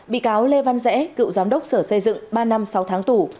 bị cáo lê văn rẽ cựu giám đốc sở xây dựng ba năm sáu tháng tù